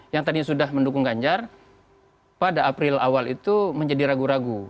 yang tadi sudah mendukung ganjar pada april awal itu menjadi ragu ragu